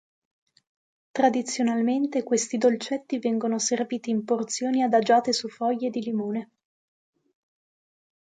Tradizionalmente questi dolcetti vengono serviti in porzioni adagiate su foglie di limone.